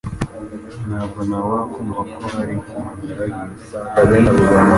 Ntabwo nabura kumva ko hari ikintu nibagiwe.